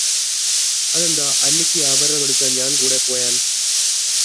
അതെന്താ അല്ലിക്ക് ആഭരണമെടുക്കാൻ ഞാൻ കൂടെ പോയാൽ?